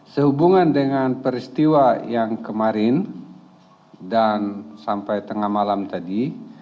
sehubungan dengan peristiwa yang kemarin dan sampai tengah malam tadi